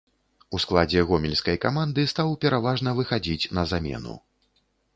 У складзе гомельскай каманды стаў пераважна выхадзіць на замену.